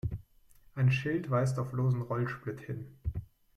Ein Schild weist auf losen Rollsplitt hin.